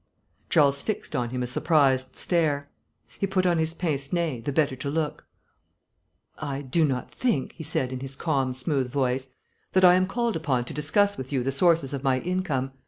Charles fixed on him a surprised stare. He put on his pince nez, the better to look. "I do not think," he said, in his calm, smooth voice, "that I am called upon to discuss with you the sources of my income.